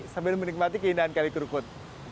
sambil menikmati keindahan kali kerukut